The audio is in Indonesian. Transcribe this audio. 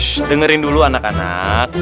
terus dengerin dulu anak anak